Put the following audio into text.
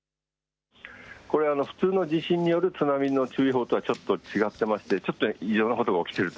普通の地震による津波の注意報とはちょっと違っていましてちょっと異常なことが起きていると。